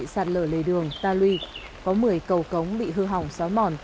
sạt lở lề đường ta luy có một mươi cầu cống bị hư hỏng xóa mòn